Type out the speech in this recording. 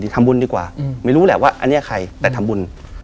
ทำบุญดีกว่าไม่รู้แหละว่าอันนี้ใครแต่ทำบุญ